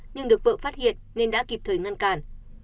nhưng được vợ phát hiện nên đã kịp thời ngăn cản